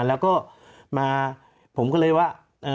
แล้วก็มาผมก็เลยว่า